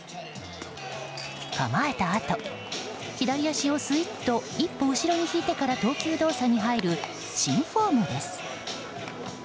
構えたあと、左足をすいっと１歩後ろに引いてから投球動作に入る新フォームです。